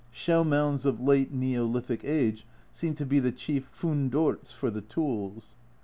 Shell mounds of late Neolithic age seem to be the chief fundorts for the tools.